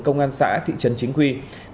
công an xã thị trấn chính quy